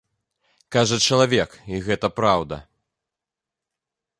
Кажа чалавек, і гэта праўда.